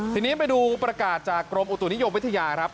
ทีนี้ไปดูประกาศจากกรมอุตุนิยมวิทยาครับ